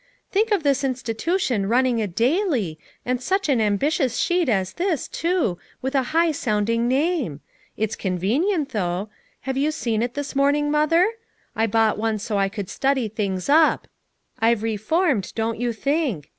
"Think of this insti tution running a daily, and such an ambitious sheet as this, too, with a high sounding name ! It's convenient, though. Have you seen it this morning, Mother? I bought one so I could study things up; I've reformed, don't you think.